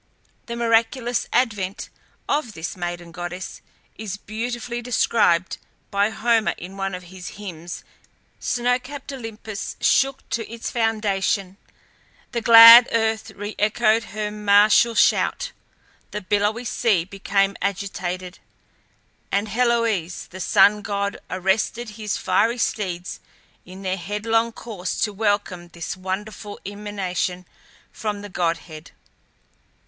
The miraculous advent of this maiden goddess is beautifully described by Homer in one of his hymns: snow capped Olympus shook to its foundation; the glad earth re echoed her martial shout; the billowy sea became agitated; and Helios, the sun god, arrested his fiery steeds in their headlong course to welcome this wonderful emanation from the godhead.